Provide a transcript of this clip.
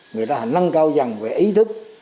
người ta nâng cao dần về ý thức